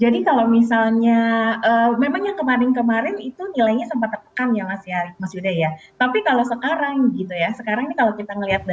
jadi kalau misalnya memang yang kemarin kemarin itu nilainya sempat tertekan ya mas yudhaya